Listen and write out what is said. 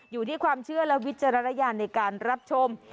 อยู่ที่ความเชื่อและวิจารณญาณในการรับชม